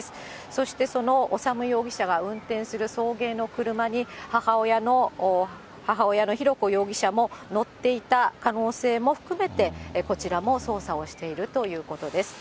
そしてその修容疑者が運転する送迎の車に、母親の浩子容疑者も乗っていた可能性も含めて、こちらも捜査をしているということです。